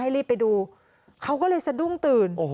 รีบไปดูเขาก็เลยสะดุ้งตื่น